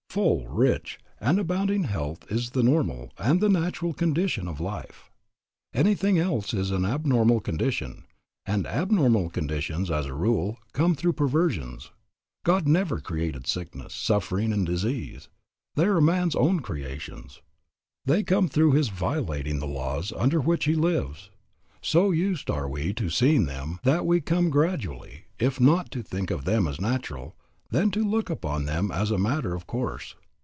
Full, rich, and abounding health is the normal and the natural condition of life. Anything else is an abnormal condition, and abnormal conditions as a rule come through perversions. God never created sickness, suffering, and disease; they are man's own creations. They come through his violating the laws under which he lives. So used are we to seeing them that we come gradually, if not to think of them as natural, then to look upon them as a matter of course.